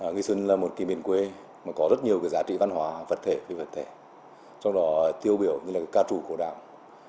nghi xuân là một kỳ miền quê mà có rất nhiều cái giá trị văn hóa vật thể về vật thể trong đó tiêu biểu như là ca chủ của đảng